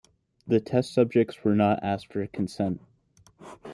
The test subjects were not asked for consent.